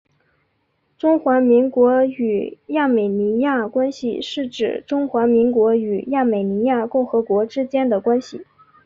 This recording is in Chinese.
中华民国与亚美尼亚关系是指中华民国与亚美尼亚共和国之间的关系。